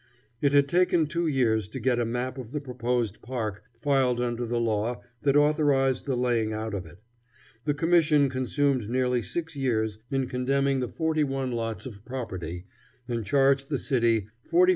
It had taken two years to get a map of the proposed park filed under the law that authorized the laying out of it. The commission consumed nearly six years in condemning the forty one lots of property, and charged the city $45,498.